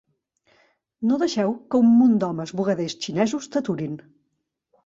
No deixeu que un munt d'homes bugaders xinesos t'aturin.